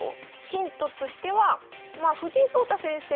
ヒントとしては藤井聡太先生